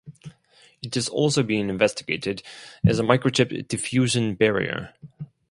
It is also being investigated as a microchip diffusion barrier.